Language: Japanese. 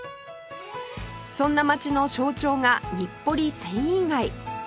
そんな街の象徴が日暮里繊維街